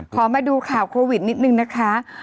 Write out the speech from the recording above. ขอมาดูข่าวโควิดนิดนึงนะคะ